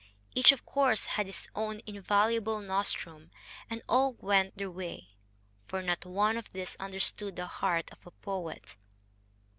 Each, of course, had his own invaluable nostrum; and all went their way. For not one of these understood the heart of a poet.